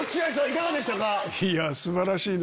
いかがでしたか？